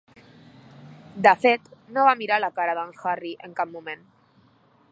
De fet, no va mirar la cara d'en Harry en cap moment.